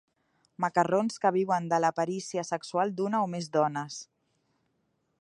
Macarrons que viuen de la perícia sexual d'una o més dones.